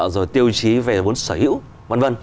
rồi tiêu chí về vốn sở hữu v v